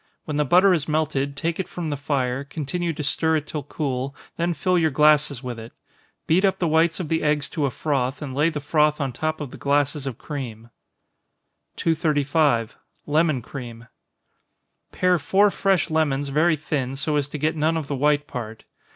When the butter has melted, take it from the fire, continue to stir it till cool, then fill your glasses with it. Beat up the whites of the eggs to a froth, and lay the froth on top of the glasses of cream. 235. Lemon Cream. Pare four fresh lemons very thin, so as to get none of the white part.